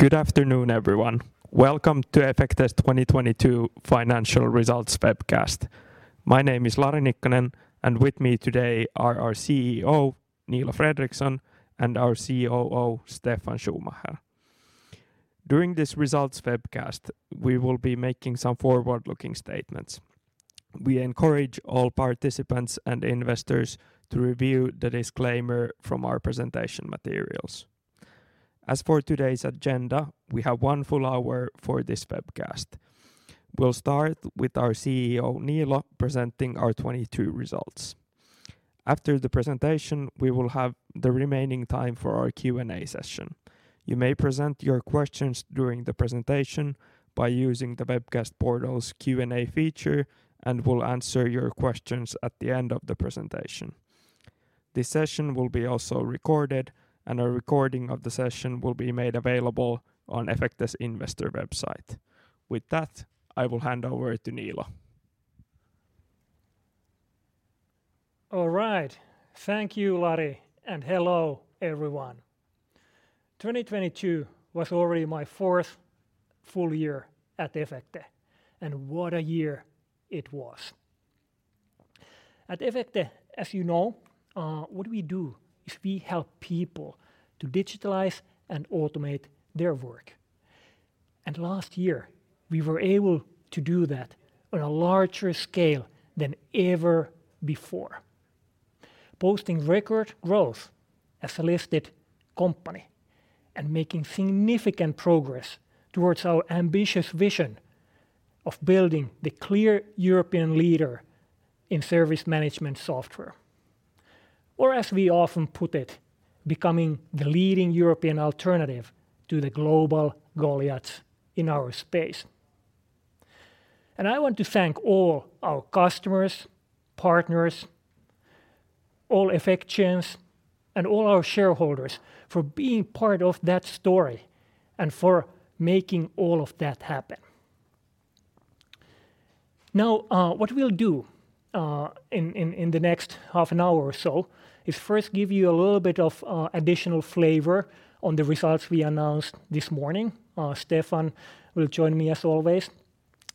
Good afternoon, everyone. Welcome to Efecte's 2022 financial results webcast. My name is Lari Nikkanen, and with me today are our CEO, Niilo Fredrikson, and our COO, Steffan Schumacher. During this results webcast, we will be making some forward-looking statements. We encourage all participants and investors to review the disclaimer from our presentation materials. As for today's agenda, we have one full hour for this webcast. We'll start with our CEO, Niilo, presenting our 2022 results. After the presentation, we will have the remaining time for our Q&A session. You may present your questions during the presentation by using the webcast portal's Q&A feature, and we'll answer your questions at the end of the presentation. This session will be also recorded, and a recording of the session will be made available on Efecte's investor website. With that, I will hand over to Niilo. All right. Thank you, Lari. Hello, everyone. 2022 was already my fourth full year at Efecte, and what a year it was. At Efecte, as you know, what we do is we help people to digitalize and automate their work. Last year, we were able to do that on a larger scale than ever before, posting record growth as a listed company and making significant progress towards our ambitious vision of building the clear European leader in service management software. As we often put it, becoming the leading European alternative to the global Goliaths in our space. I want to thank all our customers, partners, all Efectians, and all our shareholders for being part of that story and for making all of that happen. What we'll do, in the next half an hour or so is first give you a little bit of additional flavor on the results we announced this morning. Stephan will join me as always,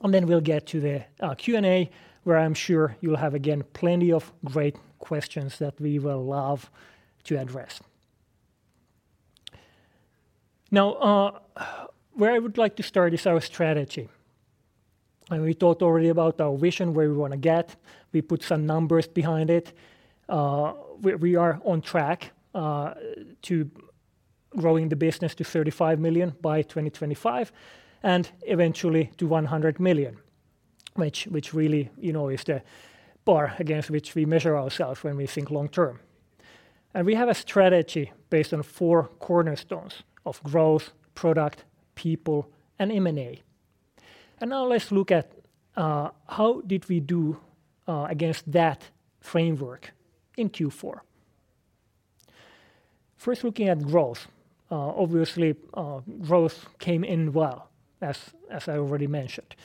then we'll get to the Q&A, where I'm sure you'll have again plenty of great questions that we will love to address. Where I would like to start is our strategy. We talked already about our vision, where we wanna get. We put some numbers behind it. We are on track to growing the business to 35 million by 2025 and eventually to 100 million, which really, you know, is the bar against which we measure ourselves when we think long term. We have a strategy based on four cornerstones of growth, product, people, and M&A. Now let's look at how did we do against that framework in Q4. First looking at growth. Obviously, growth came in well, as I already mentioned.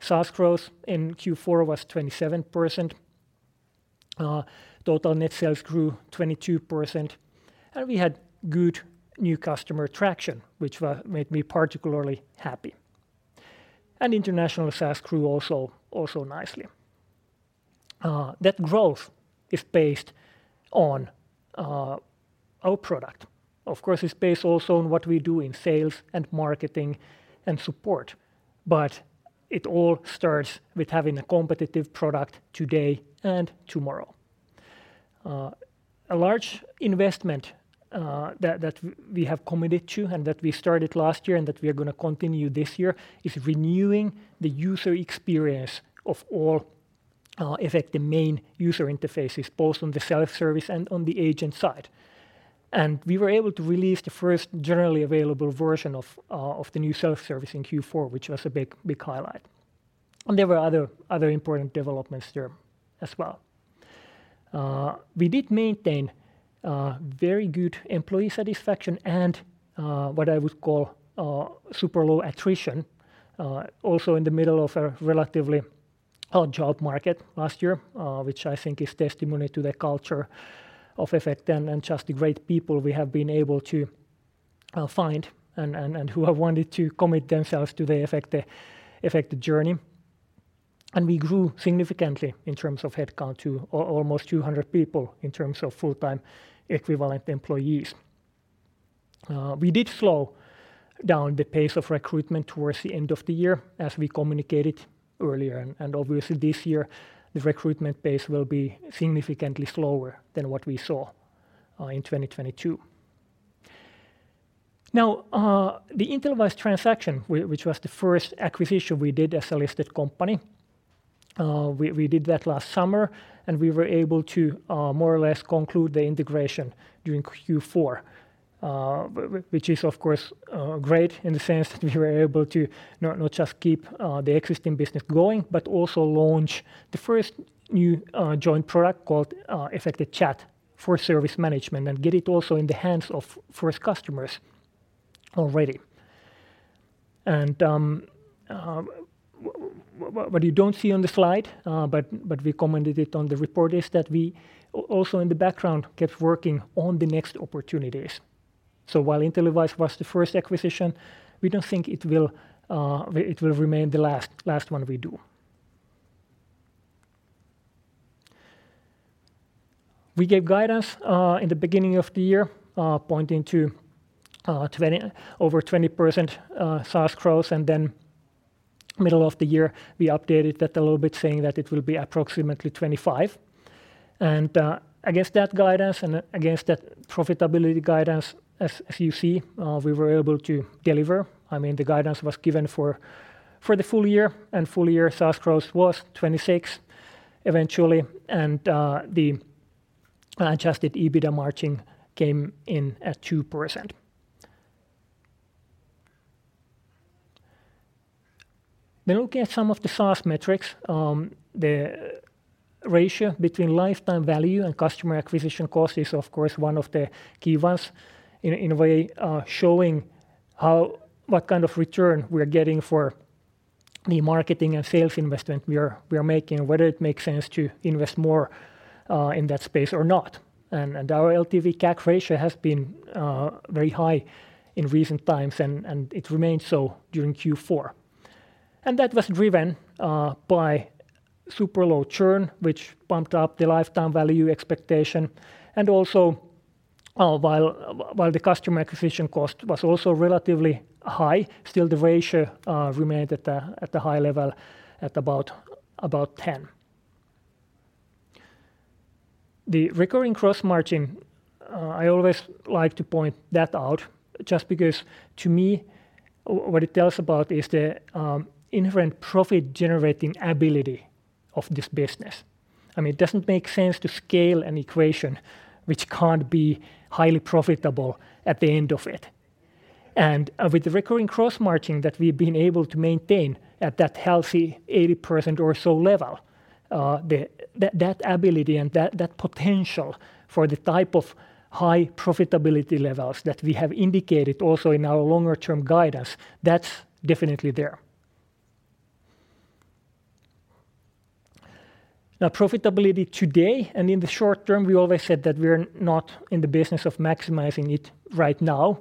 SaaS growth in Q4 was 27%. Total net sales grew 22%. We had good new customer traction, which made me particularly happy. International SaaS grew nicely. That growth is based on our product. Of course, it's based also on what we do in sales and marketing and support, but it all starts with having a competitive product today and tomorrow. A large investment that we have committed to and that we started last year and that we are gonna continue this year is renewing the user experience of all Efecte main user interfaces, both on the self-service and on the agent side. We were able to release the first generally available version of the new self-service in Q4, which was a big, big highlight. There were other important developments there as well. We did maintain very good employee satisfaction and what I would call super low attrition also in the middle of a relatively hot job market last year, which I think is testimony to the culture of Efecte and just the great people we have been able to find and who have wanted to commit themselves to the Efecte journey. We grew significantly in terms of headcount to almost 200 people in terms of full-time equivalent employees. We did slow down the pace of recruitment towards the end of the year, as we communicated earlier, and obviously this year, the recruitment pace will be significantly slower than what we saw, in 2022. The InteliWISE transaction, which was the first acquisition we did as a listed company, we did that last summer, and we were able to more or less conclude the integration during Q4, which is of course, great in the sense that we were able to not just keep the existing business going, but also launch the first new joint product called Efecte Chat for service management and get it also in the hands of first customers already. What you don't see on the slide, but we commented it on the report is that we also in the background kept working on the next opportunities. While InteliWISE was the first acquisition, we don't think it will remain the last one we do. We gave guidance in the beginning of the year, pointing to over 20% SaaS growth, and then middle of the year we updated that a little bit saying that it will be approximately 25%. Against that guidance and against that profitability guidance, as you see, we were able to deliver. I mean, the guidance was given for the full year, and full year SaaS growth was 26% eventually, and the adjusted EBITDA margin came in at 2%. Looking at some of the SaaS metrics, the ratio between lifetime value and customer acquisition cost is of course one of the key ones in a, in a way, showing what kind of return we're getting for the marketing and sales investment we are making, whether it makes sense to invest more in that space or not. Our LTV CAC ratio has been very high in recent times and it remained so during Q4. That was driven by super low churn, which bumped up the lifetime value expectation and also, while the customer acquisition cost was also relatively high, still the ratio remained at the high level at about 10. The recurring gross margin, I always like to point that out just because to me what it tells about is the inherent profit-generating ability of this business. I mean, it doesn't make sense to scale an equation which can't be highly profitable at the end of it. With the recurring gross margin that we've been able to maintain at that healthy 80% or so level, that ability and that potential for the type of high profitability levels that we have indicated also in our longer term guidance, that's definitely there. Now profitability today and in the short term, we always said that we're not in the business of maximizing it right now,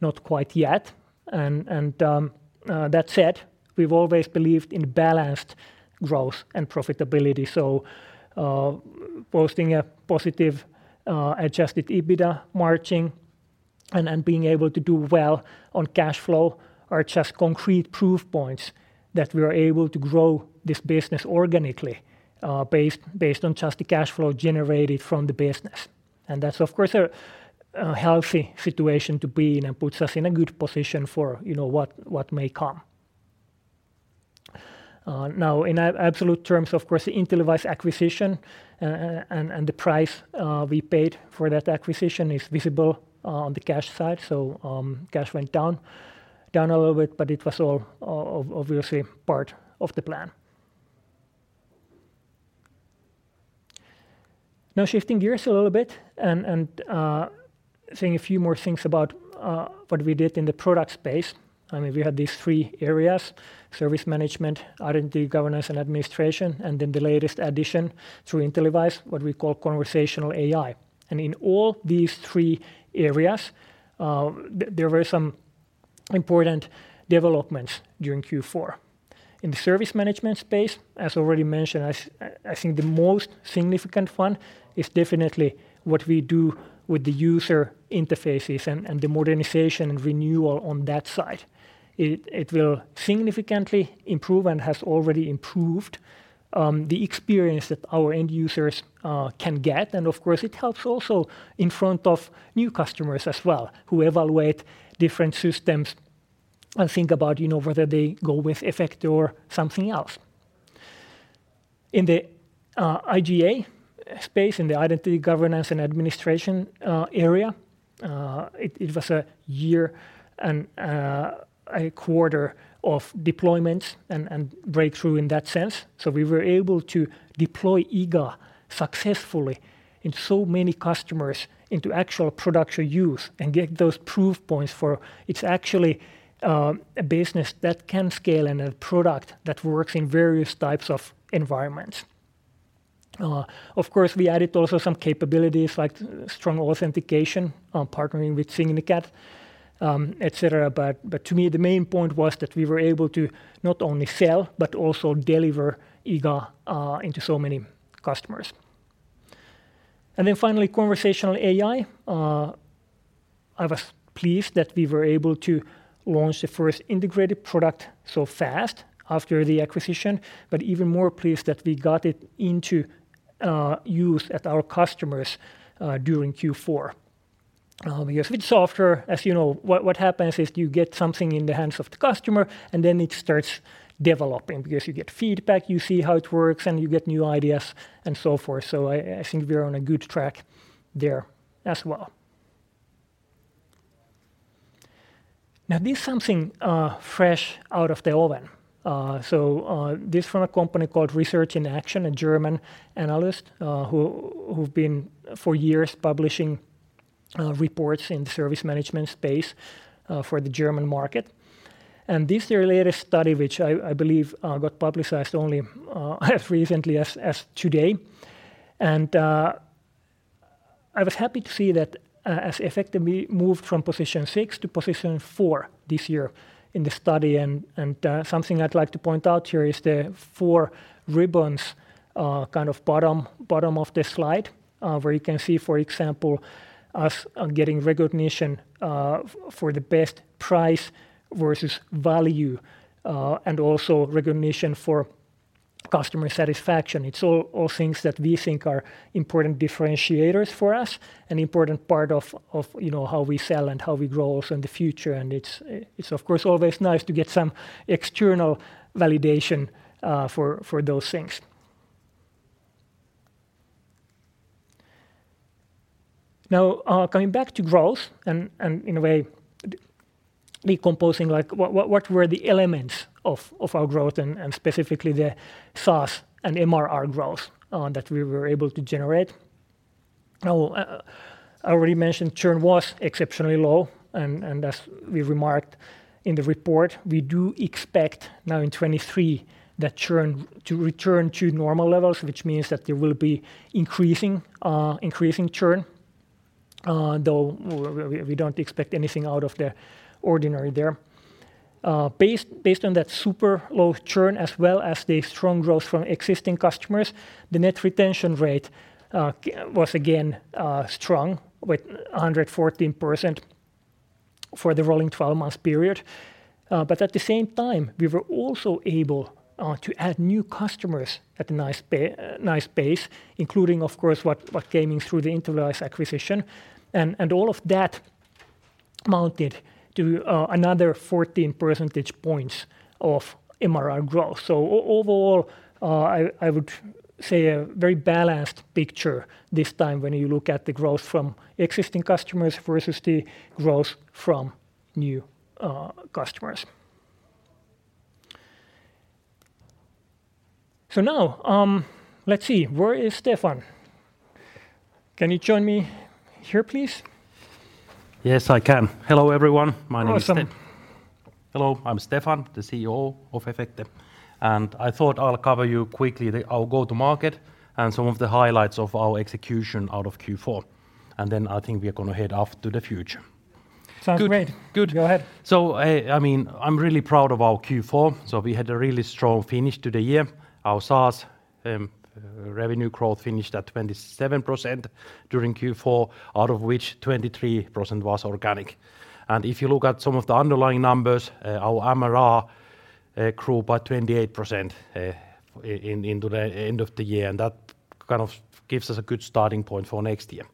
not quite yet. That said, we've always believed in balanced growth and profitability. Posting a positive adjusted EBITDA margin and being able to do well on cash flow are just concrete proof points that we are able to grow this business organically based on just the cash flow generated from the business. That's of course a healthy situation to be in and puts us in a good position for, you know, what may come. Now in absolute terms, of course, the InteliWISE acquisition and the price we paid for that acquisition is visible on the cash side. Cash went down a little bit, but it was all obviously part of the plan. Now shifting gears a little bit and saying a few more things about what we did in the product space. I mean, we had these three areas: service management, identity governance and administration, and then the latest addition through InteliWISE, what we call conversational AI. In all these three areas, there were some important developments during Q4. In the service management space, as already mentioned, I think the most significant one is definitely what we do with the user interfaces and the modernization and renewal on that side. It will significantly improve and has already improved the experience that our end users can get, and of course it helps also in front of new customers as well who evaluate different systems and think about, you know, whether they go with Efecte or something else. In the IGA space, in the identity governance and administration area, it was a year and a quarter of deployments and breakthrough in that sense. We were able to deploy IGA successfully in so many customers into actual production use and get those proof points for it's actually a business that can scale and a product that works in various types of environments. Of course, we added also some capabilities like strong authentication, partnering with Signicat, et cetera, but to me the main point was that we were able to not only sell, but also deliver IGA into so many customers. Finally, conversational AI. I was pleased that we were able to launch the first integrated product so fast after the acquisition, but even more pleased that we got it into use at our customers during Q4. Because with software, as you know, what happens is you get something in the hands of the customer and then it starts developing because you get feedback, you see how it works, and you get new ideas, and so forth. I think we're on a good track there as well. Now this is something fresh out of the oven. This is from a company called Research in Action, a German analyst, who've been for years publishing reports in the service management space, the German market. This year latest study, which I believe got publicized only as recently as today. I was happy to see that as Efecte moved from position 6 to position 4 this year in the study. Something I'd like to point out here is the four ribbons, kind of bottom of the slide, where you can see, for example, us getting recognition for the best price versus value, and also recognition for customer satisfaction. It's all things that we think are important differentiators for us, an important part of, you know, how we sell and how we grow also in the future. It's of course always nice to get some external validation for those things. Coming back to growth and in a way decomposing, like, what were the elements of our growth and specifically the SaaS and MRR growth that we were able to generate. I already mentioned churn was exceptionally low and as we remarked in the report, we do expect now in 2023 that churn to return to normal levels, which means that there will be increasing increasing churn, though we don't expect anything out of the ordinary there. Based on that super low churn as well as the strong growth from existing customers, the net retention rate was again strong with 114% for the rolling 12 months period. At the same time, we were also able to add new customers at a nice pace, including of course what came in through the InteliWISE acquisition. All of that mounted to another 14 percentage points of MRR growth. Overall, I would say a very balanced picture this time when you look at the growth from existing customers versus the growth from new customers. Now, let's see. Where is Steffan? Can you join me here, please? Yes, I can. Hello, everyone. My name is Awesome... Stefan. Hello, I'm Stefan, the COO of Efecte, and I thought I'll cover you quickly the, our go to market and some of the highlights of our execution out of Q4, and then I think we are gonna head off to the future. Sounds great. Good. Good. Go ahead. I mean, I'm really proud of our Q4. We had a really strong finish to the year. Our SaaS revenue growth finished at 27% during Q4, out of which 23% was organic. If you look at some of the underlying numbers, our MRR grew by 28% into the end of the year, and that kind of gives us a good starting point for next year.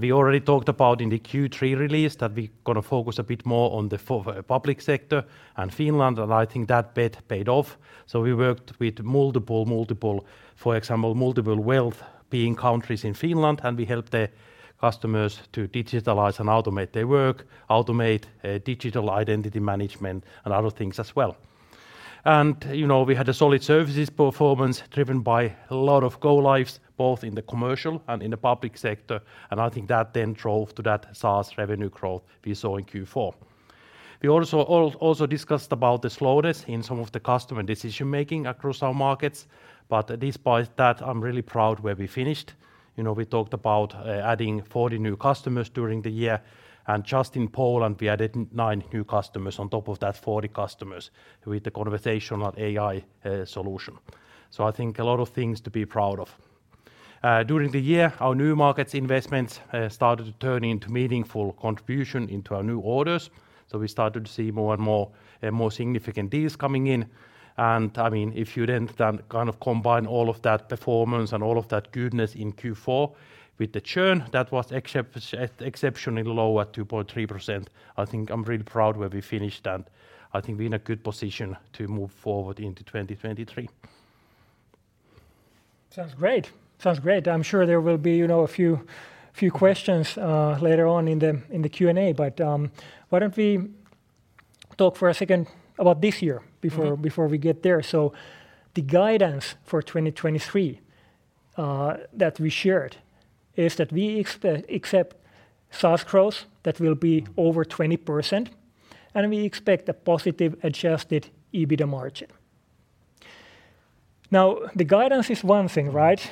We already talked about in the Q3 release that we're gonna focus a bit more on the public sector and Finland, and I think that bet paid off. We worked with multiple, for example, multiple well-being countries in Finland, and we helped the customers to digitalize and automate their work, automate digital identity management, and other things as well. You know, we had a solid services performance driven by a lot of go lives, both in the commercial and in the public sector. I think that then drove to that SaaS revenue growth we saw in Q4. We also discussed about the slowness in some of the customer decision-making across our markets. Despite that, I'm really proud where we finished. You know, we talked about adding 40 new customers during the year. Just in Poland, we added 9 new customers on top of that 40 customers with the conversational AI solution. I think a lot of things to be proud of. During the year, our new markets investments started to turn into meaningful contribution into our new orders. We started to see more and more significant deals coming in. I mean, if you then kind of combine all of that performance and all of that goodness in Q4 with the churn that was exceptionally low at 2.3%, I think I'm really proud where we finished, and I think we're in a good position to move forward into 2023. Sounds great. Sounds great. I'm sure there will be, you know, a few questions later on in the Q&A. Why don't we talk for a second about this year. Mm-hmm... before we get there. The guidance for 2023 that we shared is that we expect SaaS growth that will be over 20%, and we expect a positive adjusted EBITDA margin. The guidance is one thing, right?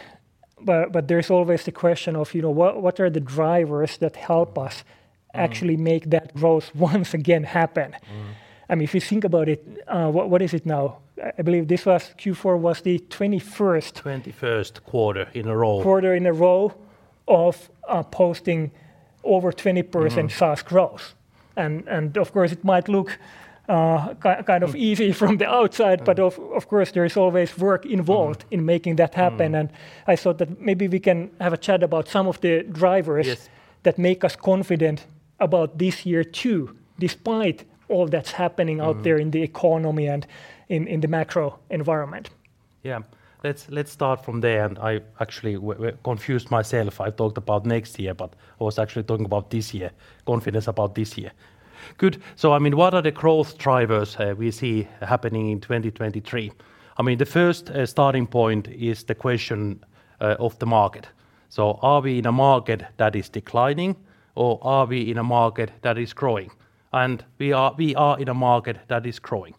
There's always the question of, you know, what are the drivers that help us- Mm-hmm... actually make that growth once again happen. Mm-hmm. I mean, if you think about it, what is it now? I believe this was Q4 was the 21st. 21st quarter in a row... quarter in a row of, posting over 20%- Mm-hmm SaaS growth. Of course it might look, kind of easy from the outside, but of course, there is always work involved. Mm-hmm... in making that happen. Mm-hmm. I thought that maybe we can have a chat about some of the drivers- Yes... that make us confident about this year too, despite all that's happening out there. Mm-hmm... in the economy and in the macro environment. Let's start from there. I actually confused myself. I talked about next year, but I was actually talking about this year, confidence about this year. Good. I mean, what are the growth drivers we see happening in 2023? I mean, the first starting point is the question of the market. Are we in a market that is declining or are we in a market that is growing? We are in a market that is growing.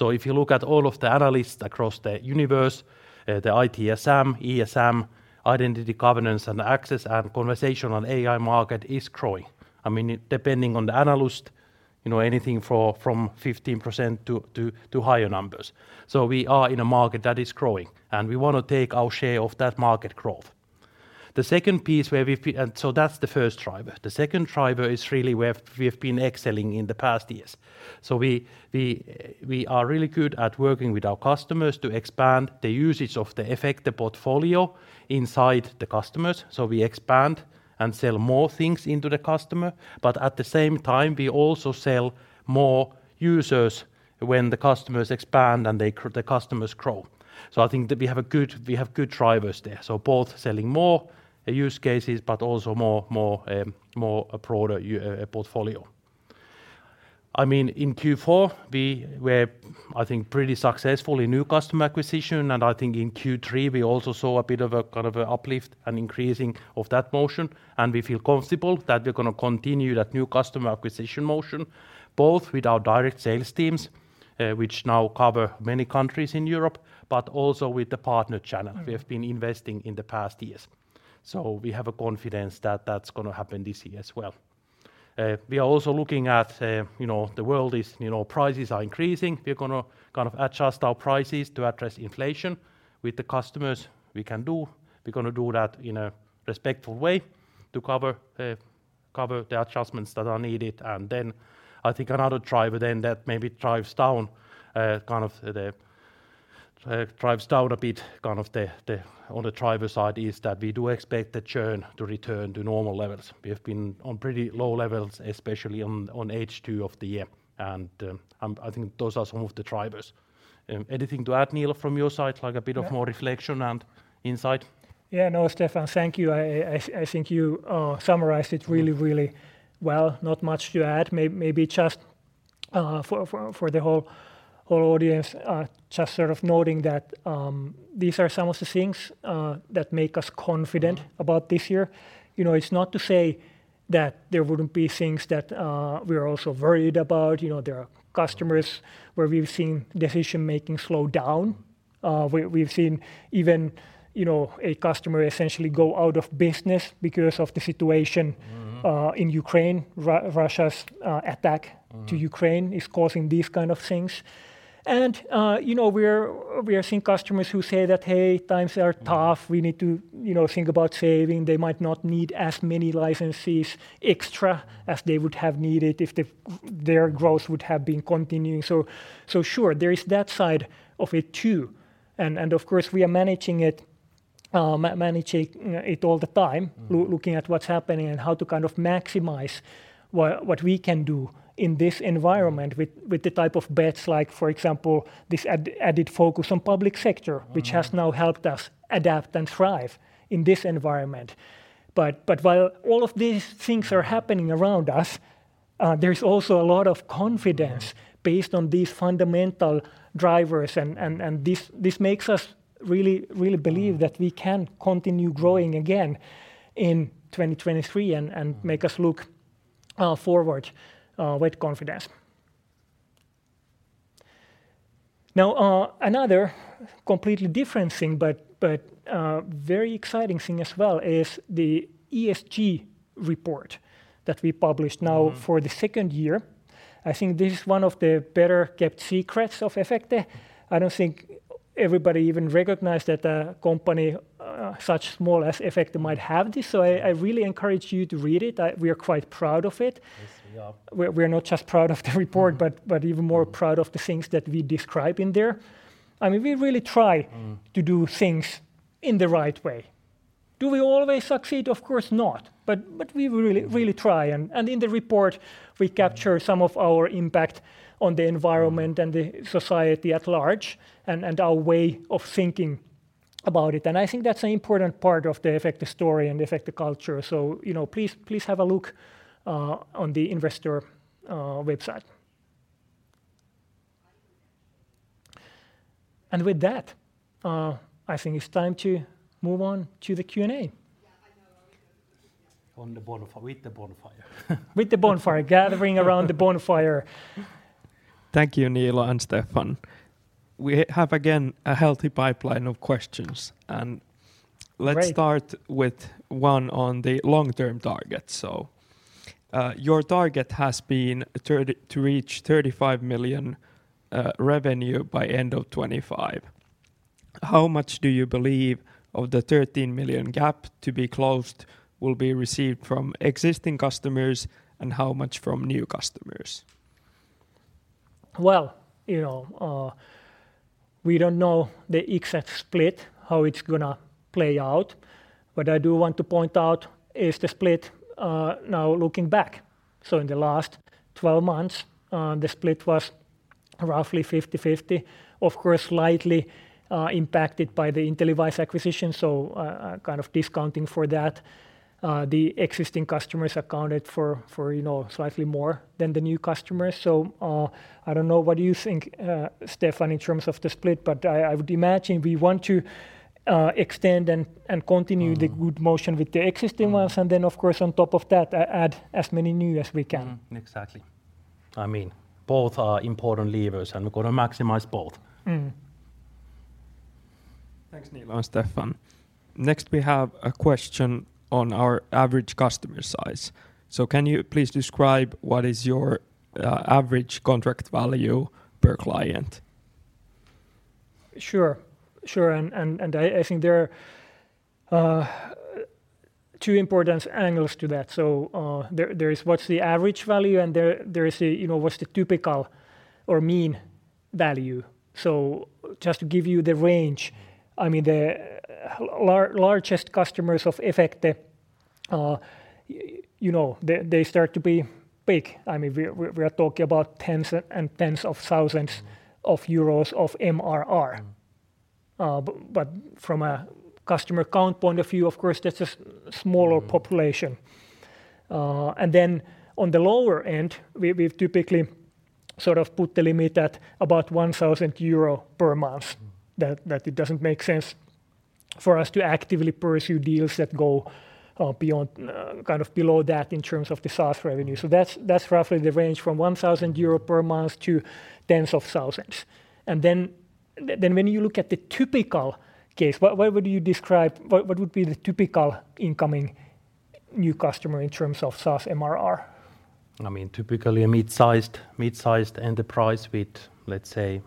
If you look at all of the analysts across the universe, the ITSM, ESM, identity governance and access and conversational AI market is growing. I mean, depending on the analyst, you know, anything from 15% to higher numbers. We are in a market that is growing, and we wanna take our share of that market growth. That's the first driver. The second driver is really where we have been excelling in the past years. We are really good at working with our customers to expand the usage of the Efecte portfolio inside the customers. We expand and sell more things into the customer, but at the same time, we also sell more users when the customers expand and they the customers grow. I think that we have good drivers there. Both selling more use cases, but also more a broader portfolio. I mean, in Q4, we were, I think, pretty successful in new customer acquisition, and I think in Q3, we also saw a bit of a, kind of a uplift and increasing of that motion, and we feel comfortable that we're gonna continue that new customer acquisition motion, both with our direct sales teams, which now cover many countries in Europe, but also with the partner channel. Mm... we have been investing in the past years. We have a confidence that that's gonna happen this year as well. We are also looking at, you know, the world is, you know, prices are increasing. We're gonna kind of adjust our prices to address inflation with the customers. We're gonna do that in a respectful way to cover the adjustments that are needed. I think another driver then that maybe drives down, kind of the, drives down a bit kind of the on the driver side is that we do expect the churn to return to normal levels. We have been on pretty low levels, especially on H2 of the year. I think those are some of the drivers. Anything to add, Niilo, from your side, like a bit of more reflection and insight? No, Stefan, thank you. I think you summarized it really, really well. maybe just for the whole audience, just sort of noting that, these are some of the things that make us confident- Mm-hmm about this year. You know, it's not to say that there wouldn't be things that we're also worried about. You know, there are customers where we've seen decision-making slow down. We've seen even, you know, a customer essentially go out of business because of the situation. Mm-hmm in Ukraine. Russia's attack- Mm... to Ukraine is causing these kind of things. You know, we are seeing customers who say that, "Hey, times are tough. We need to, you know, think about saving." They might not need as many licenses extra as they would have needed if their growth would have been continuing. Sure, there is that side of it too. Of course, we are managing it all the time. Mm looking at what's happening and how to kind of maximize what we can do in this environment with the type of bets like, for example, this added focus on public sector. Mm... which has now helped us adapt and thrive in this environment. While all of these things are happening around us, there is also a lot of confidence based on these fundamental drivers and this makes us believe that we can continue growing again in 2023 and make us look forward with confidence. Now, another completely different thing but, very exciting thing as well is the ESG report that we published now. Mm... for the second year. I think this is one of the better-kept secrets of Efecte. I don't think everybody even recognized that a company, such small as Efecte might have this, so I really encourage you to read it. We are quite proud of it. Yes, we are. We're not just proud of the report but even more proud of the things that we describe in there. I mean, we really. Mm to do things in the right way. Do we always succeed? Of course not. We really try and in the report, we capture some of our impact on the environment. Mm... and the society at large and our way of thinking about it. I think that's an important part of the Efecte story and Efecte culture. You know, please have a look on the investor website. With that, I think it's time to move on to the Q&A. On the bonfire. With the bonfire. With the bonfire. Gathering around the bonfire. Thank you, Niilo and Stefan. We have again a healthy pipeline of questions. Great let's start with one on the long-term target. Your target has been to reach 35 million revenue by end of 2025. How much do you believe of the 13 million gap to be closed will be received from existing customers, and how much from new customers? Well, you know, we don't know the exact split, how it's gonna play out, but I do want to point out is the split, now looking back. In the last 12 months, the split was... roughly 50/50. Of course, slightly impacted by the InteliWISE acquisition, so kind of discounting for that, the existing customers accounted for, you know, slightly more than the new customers. I don't know, what do you think, Steffan, in terms of the split? I would imagine we want to extend and continue. Mm... the good motion with the existing ones. Mm... and then of course on top of that add as many new as we can. Exactly. I mean, both are important levers, and we've gotta maximize both. Mm. Thanks, Niilo and Steffan. Next we have a question on our average customer size. Can you please describe what is your average contract value per client? Sure. Sure. I think there are two important angles to that. There is what's the average value, and there is a, you know, what's the typical or mean value. Just to give you the range, I mean, the largest customers of Efecte, you know, they start to be big. I mean, we're talking about tens and tens of thousands of EUR of MRR. Yeah. From a customer count point of view, of course, that's a smaller population. Mm. Then on the lower end, we've typically sort of put the limit at about 1,000 euro per month. Mm. That it doesn't make sense for us to actively pursue deals that go beyond kind of below that in terms of the SaaS revenue. That's roughly the range from 1,000 euro per month to tens of thousands EUR. Then when you look at the typical case, what would you describe, what would be the typical incoming new customer in terms of SaaS MRR? I mean, typically a mid-sized enterprise with, let's say,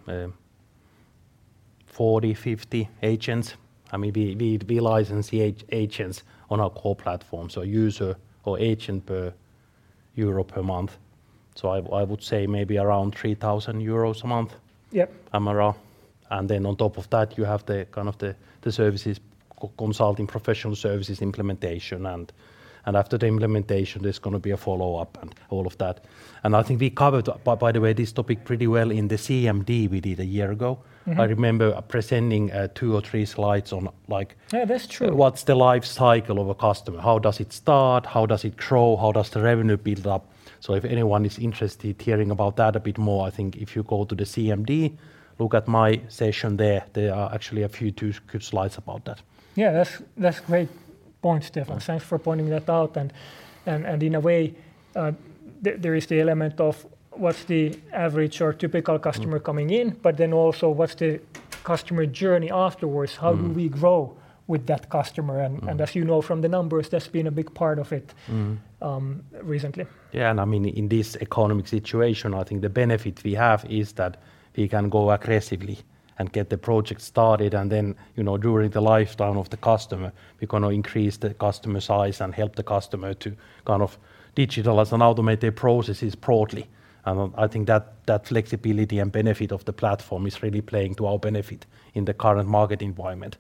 40 agents, 50 agents. I mean, we license the agents on our core platform, so user or agent per euro per month. I would say maybe around 3,000 euros a month. Yep... MRR. Then on top of that you have the kind of the services consulting, professional services implementation and after the implementation there's gonna be a follow-up and all of that. I think we covered, by the way, this topic pretty well in the CMD we did a year ago. Mm-hmm. I remember presenting, two or three slides on Yeah, that's true. what's the life cycle of a customer? How does it start? How does it grow? How does the revenue build up? If anyone is interested hearing about that a bit more, I think if you go to the CMD, look at my session there are actually a few, two good slides about that. Yeah. That's great point, Steffan. Mm. Thanks for pointing that out. In a way, there is the element of what's the average or typical customer- Mm... coming in, Also what's the customer journey afterwards? Mm. How do we grow with that customer? Mm As you know from the numbers, that's been a big part of it. Mm... recently. I mean, in this economic situation, I think the benefit we have is that we can go aggressively and get the project started, and then, you know, during the lifetime of the customer, we're gonna increase the customer size and help the customer to kind of digitalize and automate their processes broadly. I think that flexibility and benefit of the platform is really playing to our benefit in the current market environment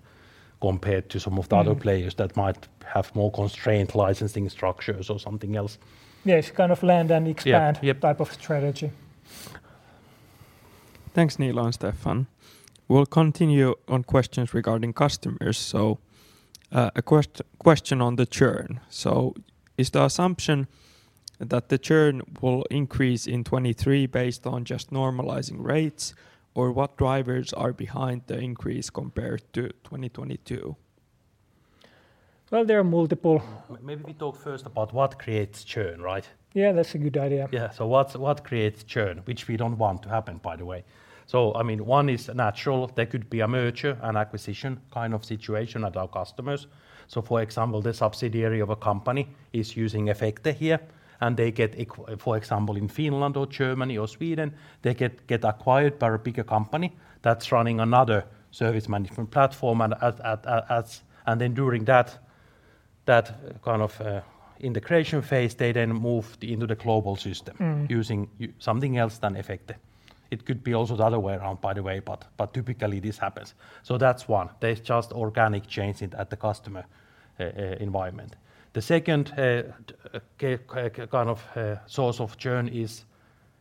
compared to some of the other... Mm... players that might have more constrained licensing structures or something else. Yeah, it's kind of land and expand- Yeah, yeah.... type of strategy. Thanks, Niilo and Stephan. We'll continue on questions regarding customers. Question on the churn. Is the assumption that the churn will increase in 2023 based on just normalizing rates, or what drivers are behind the increase compared to 2022? Well, there are multiple- Maybe we talk first about what creates churn, right? Yeah, that's a good idea. Yeah. So what creates churn? Which we don't want to happen, by the way. I mean, one is natural. There could be a merger and acquisition kind of situation at our customers. For example, the subsidiary of a company is using Efecte here, and they get for example, in Finland or Germany or Sweden, they get acquired by a bigger company that's running another service management platform, and then during that kind of integration phase, they then move into the global system- Mm... using something else than Efecte. It could be also the other way around, by the way, but typically this happens. That's one. There's just organic change in, at the customer environment. The second kind of source of churn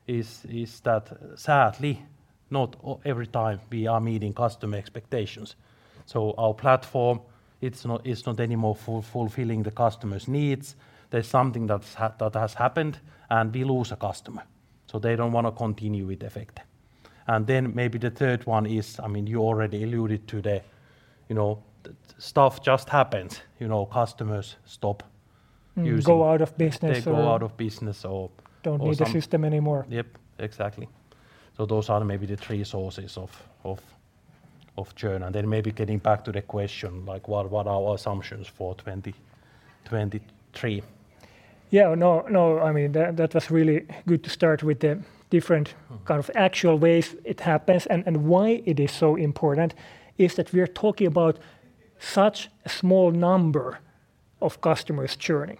is that sadly not every time we are meeting customer expectations. Our platform, it's not anymore fulfilling the customer's needs. There's something that has happened, and we lose a customer. They don't wanna continue with Efecte. Then maybe the third one is, I mean, you already alluded to the, you know, stuff just happens. You know, customers stop using. Go out of business or. They go out of business or some-. Don't need the system anymore. Yep. Exactly. Those are maybe the three sources of churn. Then maybe getting back to the question, like, what are our assumptions for 2023? Yeah. No, no. I mean, that was really good to start with the different kind of actual ways it happens. Why it is so important is that we're talking about such a small number of customers churning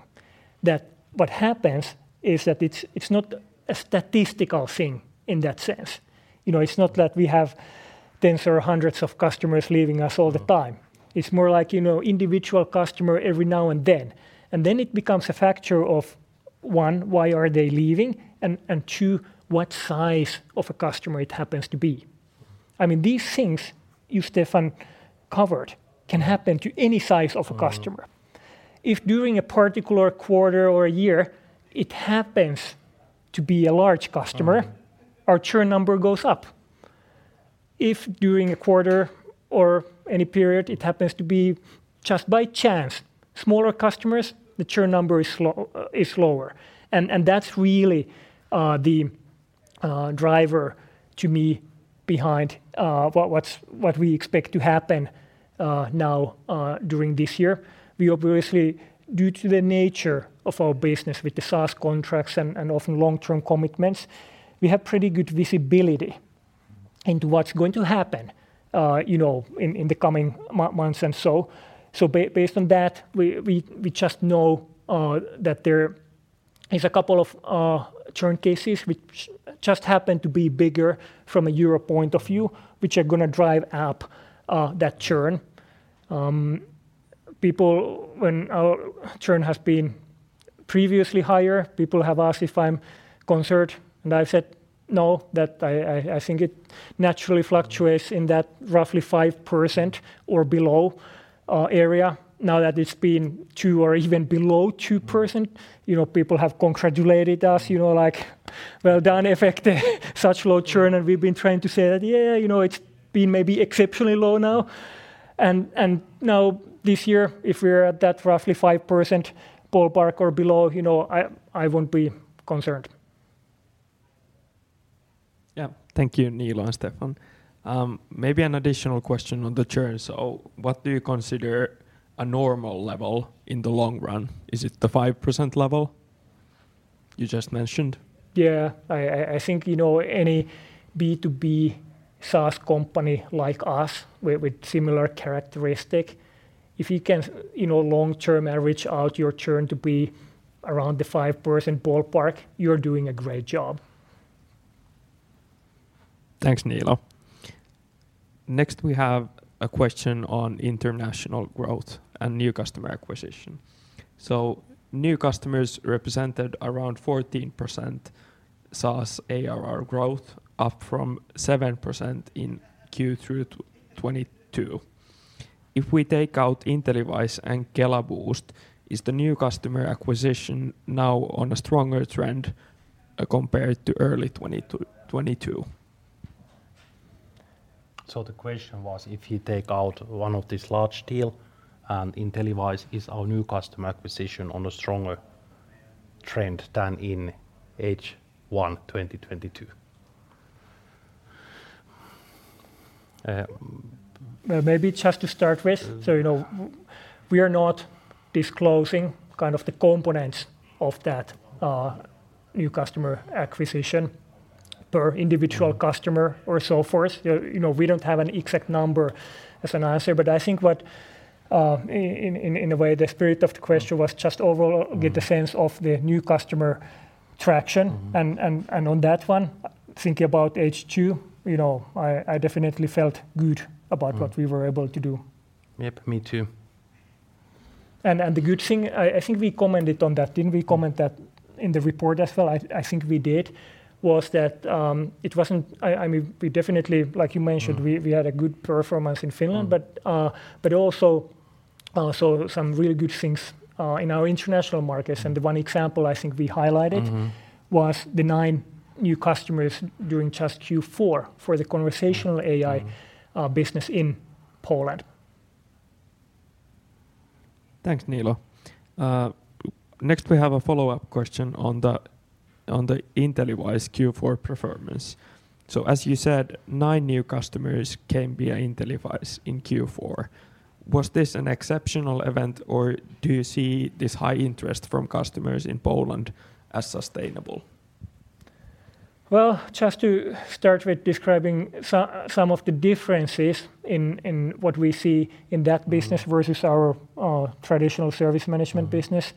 that what happens is that it's not a statistical thing in that sense. You know, it's not that we have tens or hundreds of customers leaving us all the time. Mm. It's more like, you know, individual customer every now and then, and then it becomes a factor of. One, why are they leaving? Two, what size of a customer it happens to be. I mean, these things you, Stefan, covered can happen to any size of a customer. Mm-hmm. If during a particular quarter or a year it happens to be a large customer. Mm-hmm... our churn number goes up. If during a quarter or any period it happens to be just by chance smaller customers, the churn number is slow, is lower. That's really the driver to me behind what's what we expect to happen now during this year. We obviously, due to the nature of our business with the SaaS contracts and often long-term commitments, we have pretty good visibility into what's going to happen, you know, in the coming months and so. Based on that, we just know that there is a couple of churn cases which just happen to be bigger from a EUR point of view, which are gonna drive up that churn. People... When our churn has been previously higher, people have asked if I'm concerned, and I've said no, that I think it naturally fluctuates in that roughly 5% or below area. Now that it's been 2% or even below 2%, you know, people have congratulated us, you know, like, "Well done, Efecte. Such low churn." We've been trying to say that, "Yeah, you know, it's been maybe exceptionally low now." Now this year if we're at that roughly 5% ballpark or below, you know, I won't be concerned. Yeah. Thank you, Niilo and Stefan. Maybe an additional question on the churn. What do you consider a normal level in the long run? Is it the 5% level you just mentioned? Yeah. I think, you know, any B2B SaaS company like us with similar characteristic, if you can, you know, long-term average out your churn to be around the 5% ballpark, you're doing a great job. Thanks, Niilo. Next we have a question on international growth and new customer acquisition. New customers represented around 14% SaaS ARR growth, up from 7% in Q through 2022. If we take out InteliWISE and Kela, is the new customer acquisition now on a stronger trend compared to early 2022? The question was if you take out one of this large deal and InteliWISE, is our new customer acquisition on a stronger trend than in H1 2022? Well, maybe just to start with, you know, we are not disclosing kind of the components of that new customer acquisition per individual customer or so for us. You know, we don't have an exact number as an answer. I think what, in a way the spirit of the question was just overall get the sense of the new customer traction. Mm-hmm. On that one, thinking about H2, you know, I definitely felt good about what we were able to do. Yep, me too. The good thing, I think we commented on that. Didn't we comment that in the report as well? I think we did. Was that, I mean, we definitely, like you mentioned- Mm... we had a good performance in Finland. Mm. But also, so some really good things in our international markets. The one example I think we highlighted. Mm-hmm... was the nine new customers during just Q4 for the conversational AI. Mm... business in Poland. Thanks, Niilo. next we have a follow-up question on the, on the InteliWISE Q4 performance. as you said, nine new customers came via InteliWISE in Q4. Was this an exceptional event, or do you see this high interest from customers in Poland as sustainable? Well, just to start with describing some of the differences in what we see in that business. Mm... versus our traditional service management business.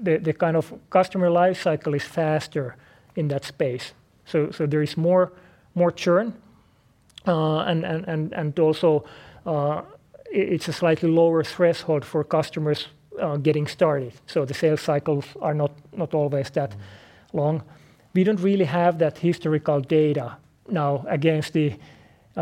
The kind of customer life cycle is faster in that space, so there is more churn. And also, it's a slightly lower threshold for customers getting started. The sales cycles are not always that long. We don't really have that historical data now against the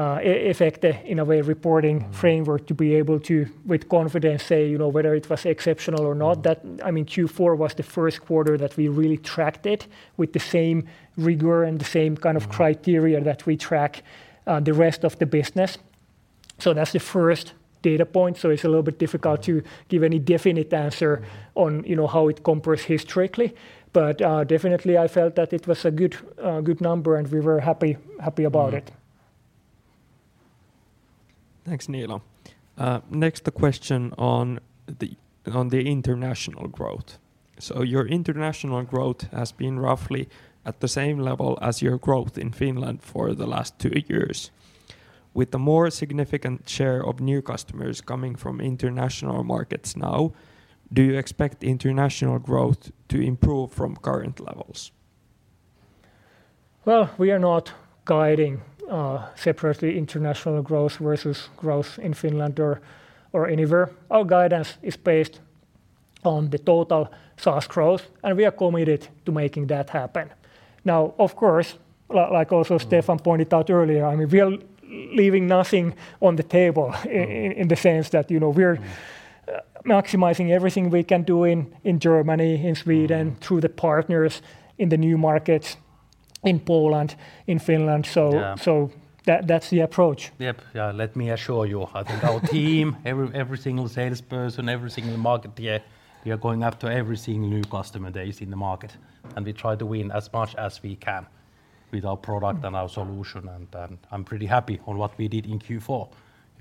Efecte, in a way, reporting framework to be able to with confidence say, you know, whether it was exceptional or not. That. I mean, Q4 was the first quarter that we really tracked it with the same rigor and the same kind of criteria that we track the rest of the business. That's the first data point, so it's a little bit difficult to give any definite answer on, you know, how it compares historically. Definitely I felt that it was a good number, and we were happy about it. Thanks, Niilo. Next a question on the, on the international growth. Your international growth has been roughly at the same level as your growth in Finland for the last 2 years. With the more significant share of new customers coming from international markets now, do you expect international growth to improve from current levels? Well, we are not guiding separately international growth versus growth in Finland or anywhere. Our guidance is based on the total SaaS growth. We are committed to making that happen. Of course, like also Steffan pointed out earlier, I mean, we are leaving nothing on the table in the sense that, you know, we're maximizing everything we can do in Germany, in Sweden. Mm... through the partners in the new markets in Poland, in Finland. Yeah That's the approach. Yep. Yeah. Let me assure you. I think our team, every single salesperson, every single marketer, we are going after every single new customer that is in the market, and we try to win as much as we can with our product. Mm... and our solution. I'm pretty happy on what we did in Q4. You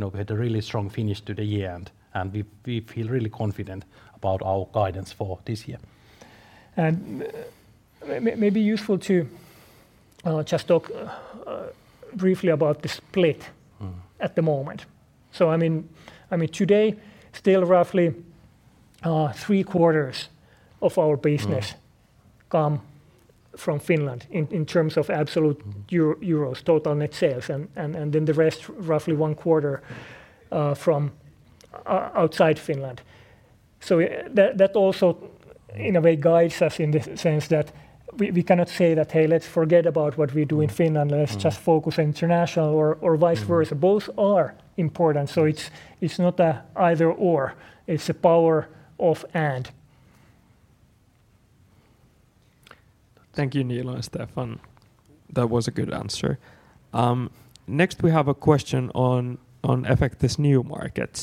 know, we had a really strong finish to the year, and we feel really confident about our guidance for this year. may be useful to, just talk, briefly about the split- Mm at the moment. I mean, today, still roughly, three quarters of our business. Mm... come from Finland in terms of absolute euros, total net sales. Then the rest, roughly one quarter, from outside Finland. That also in a way guides us in the sense that we cannot say that, "Hey, let's forget about what we do in Finland. Mm. Let's just focus international," or vice versa. Mm. Both are important, so it's not a either/or. It's a power of and. Thank you, Niilo and Steffan. That was a good answer. Next, we have a question on Efecte's new market.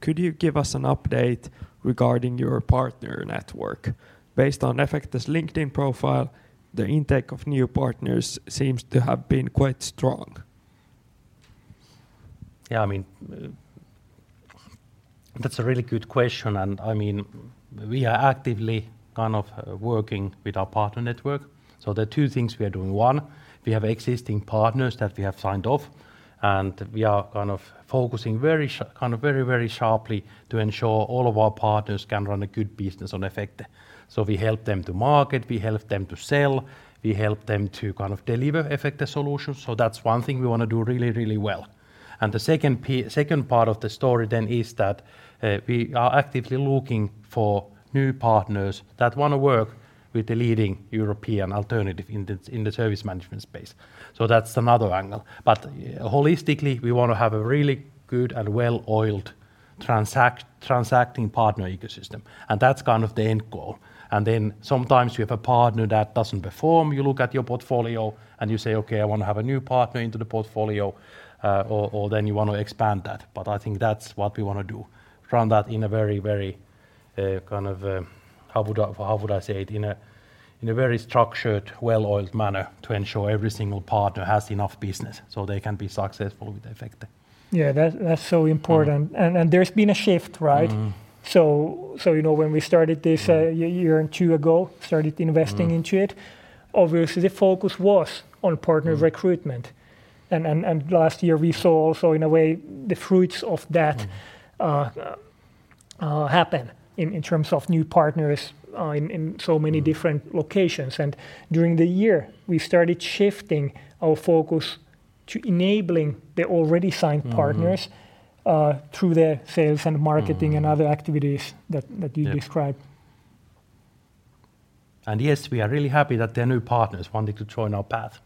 Could you give us an update regarding your partner network? Based on Efecte's LinkedIn profile, the intake of new partners seems to have been quite strong. Yeah, I mean, that's a really good question. I mean, we are actively kind of working with our partner network. There are two things we are doing. One, we have existing partners that we have signed off, and we are kind of focusing very sharply to ensure all of our partners can run a good business on Efecte. We help them to market, we help them to sell, we help them to kind of deliver Efecte solutions. That's one thing we wanna do really, really well. The second part of the story then is that we are actively looking for new partners that wanna work with the leading European alternative in the, in the service management space. That's another angle. Holistically, we wanna have a really good and well-oiled transacting partner ecosystem, and that's kind of the end goal. Sometimes you have a partner that doesn't perform. You look at your portfolio and you say, "Okay, I wanna have a new partner into the portfolio," or then you want to expand that. I think that's what we wanna do, run that in a very, kind of... How would I say it? In a very structured, well-oiled manner to ensure every single partner has enough business, so they can be successful with Efecte. Yeah. That's so important. Mm. There's been a shift, right? Mm. You know, when we started this, year and two ago, started investing into. Mm... obviously the focus was on partner recruitment. Last year we saw also in a way the fruits of that. Mm... happen in terms of new partners, in so many different locations. During the year, we started shifting our focus to enabling the already signed partners Mm-hmm... through the sales and marketing- Mm-hmm... and other activities that you described. Yeah. Yes, we are really happy that the new partners wanted to join our path.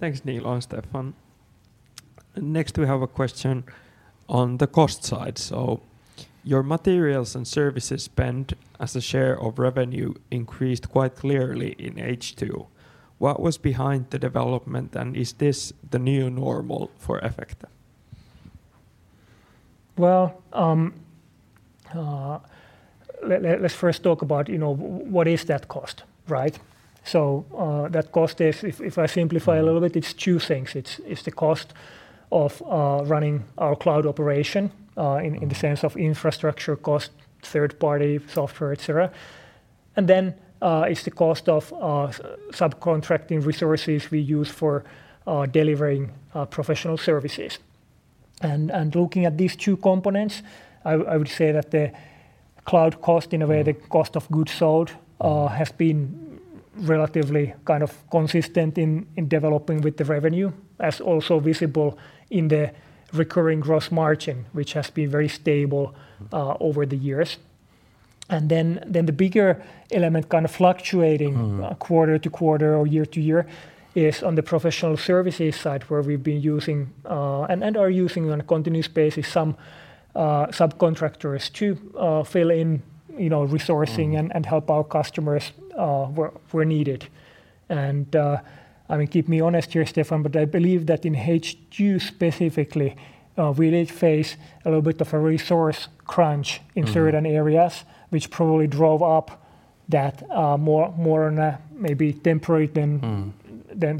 Thanks, Niilo and Steffan. Next, we have a question on the cost side. Your materials and services spend as a share of revenue increased quite clearly in H2. What was behind the development, and is this the new normal for Efecte? Well, let's first talk about, you know, what is that cost, right? That cost is if I simplify a little bit, it's two things. It's the cost of running our cloud operation in the sense of infrastructure cost, third party software, et cetera. Then, it's the cost of subcontracting resources we use for delivering professional services. Looking at these two components, I would say that the cloud cost, in a way, the cost of goods sold, has been relatively kind of consistent in developing with the revenue. That's also visible in the recurring gross margin, which has been very stable over the years. Then, the bigger element kind of fluctuating. Mm... quarter to quarter or year to year is on the professional services side, where we've been using, and are using on a continuous basis some subcontractors to fill in, you know, resourcing-. Mm and help our customers, where needed. I mean, keep me honest here, Stefan, but I believe that in H2 specifically, we did face a little bit of a resource crunch in certain areas- Mm ... which probably drove up that, more on a maybe temporary. Mm...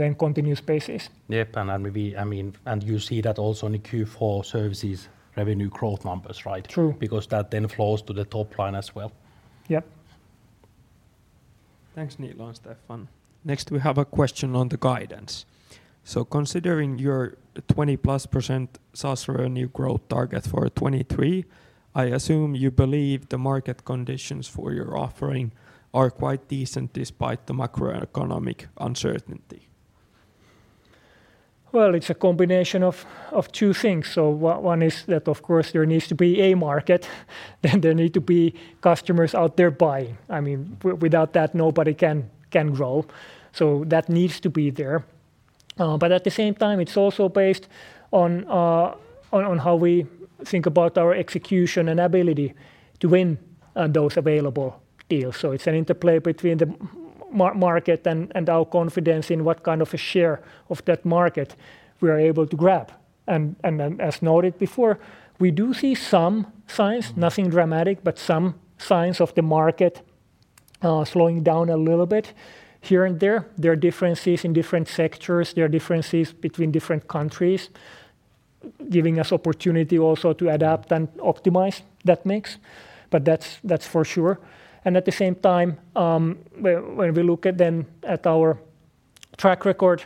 than continuous basis. Yep. Maybe, I mean, and you see that also in the Q4 services revenue growth numbers, right? True. That then flows to the top line as well. Yep. Thanks, Niilo and Steffan. Next, we have a question on the guidance. Considering your 20+% SaaS revenue growth target for 2023, I assume you believe the market conditions for your offering are quite decent despite the macroeconomic uncertainty. Well, it's a combination of two things. One is that, of course, there needs to be a market, and there need to be customers out there buying. I mean, without that, nobody can grow. That needs to be there. At the same time, it's also based on how we think about our execution and ability to win, those available deals. It's an interplay between the market and our confidence in what kind of a share of that market we are able to grab. Then as noted before, we do see some signs. Mm... nothing dramatic, but some signs of the market, slowing down a little bit here and there. There are differences in different sectors. There are differences between different countries giving us opportunity also to adapt and optimize that mix. That's for sure. At the same time, when we look at then, at our track record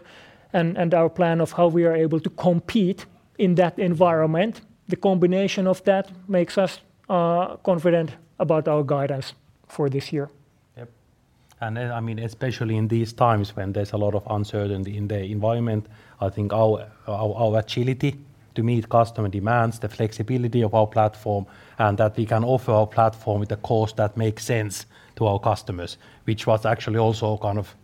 and our plan of how we are able to compete in that environment, the combination of that makes us confident about our guidance for this year. Yep. I mean, especially in these times when there's a lot of uncertainty in the environment, I think our agility to meet customer demands, the flexibility of our platform, and that we can offer our platform with a cost that makes sense to our customers, which was actually also kind of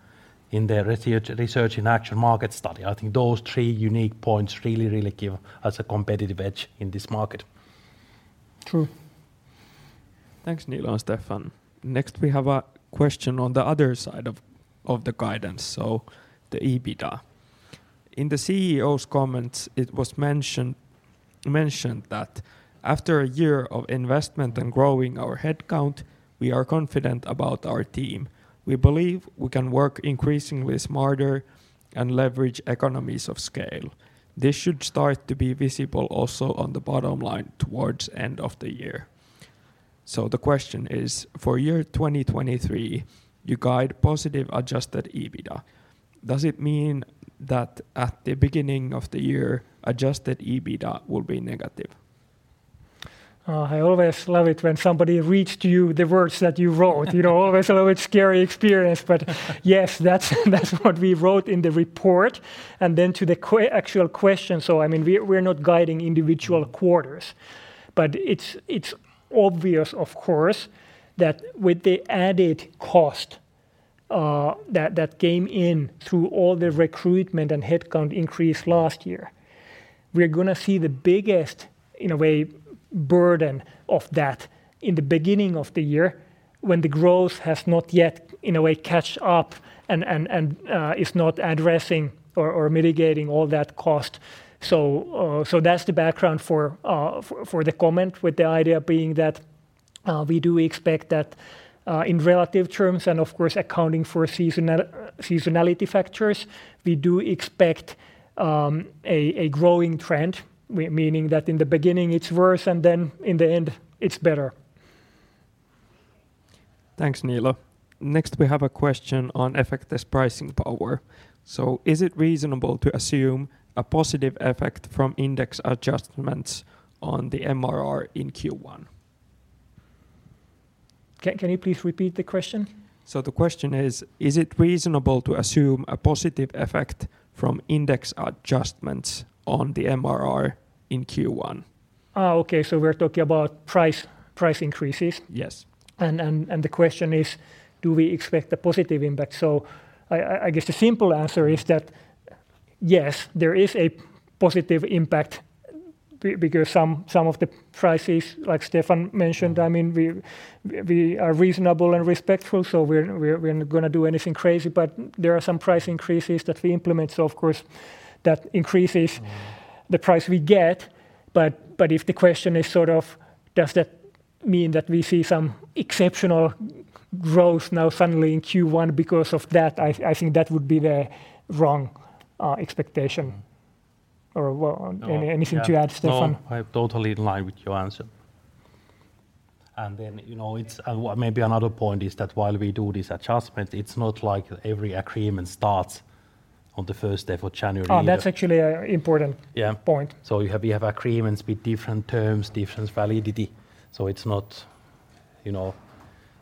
in the Research in Action market study. I think those three unique points really give us a competitive edge in this market. True. Thanks, Niilo and Steffan. Next, we have a question on the other side of the guidance, the EBITDA. In the CEO's comments, it was mentioned that after a year of investment and growing our head count, we are confident about our team. We believe we can work increasingly smarter and leverage economies of scale. This should start to be visible also on the bottom line towards end of the year. The question is: For year 2023, you guide positive adjusted EBITDA. Does it mean that, at the beginning of the year, adjusted EBITDA will be negative? I always love it when somebody reads to you the words that you wrote. You know, always a little bit scary experience. Yes, that's what we wrote in the report. Then to the actual question, I mean, we're not guiding individual quarters. It's, it's obvious, of course, that with the added cost, that came in through all the recruitment and head count increase last year, we're gonna see the biggest, in a way, burden of that in the beginning of the year when the growth has not yet, in a way, caught up and is not addressing or mitigating all that cost. That's the background for the comment, with the idea being that, we do expect that, in relative terms, and of course accounting for seasonality factors, we do expect a growing trend, meaning that in the beginning it's worse and then in the end it's better. Thanks, Niilo. Next, we have a question on Efecte's pricing power. Is it reasonable to assume a positive effect from index adjustments on the MRR in Q1? Can you please repeat the question? The question is: Is it reasonable to assume a positive effect from index adjustments on the MRR in Q1? Oh, okay. We're talking about price increases. Yes. The question is, do we expect a positive impact? I guess the simple answer is that, yes, there is a positive impact because some of the prices, like Steffan mentioned. I mean, we are reasonable and respectful, so we're not gonna do anything crazy. There are some price increases that we implement, so of course that increases the price we get. If the question is sort of, does that mean that we see some exceptional growth now suddenly in Q1 because of that? I think that would be the wrong expectation. Anything to add, Steffan? No, I'm totally in line with your answer. you know, maybe another point is that while we do this adjustment, it's not like every agreement starts on the first day for January. Oh, that's actually a important-. Yeah point. You have, you have agreements with different terms, different validity. It's not, you know.